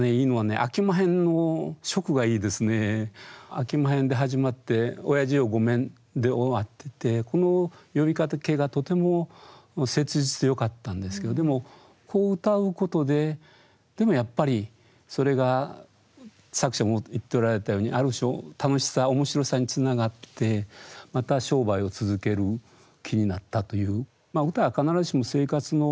「あきまへん」で始まって「親父よ御免」で終わっててこの呼びかけがとても切実でよかったんですけどでもこう詠うことででもやっぱりそれが作者も言っておられたようにある種楽しさ面白さにつながってまた商売を続ける気になったという。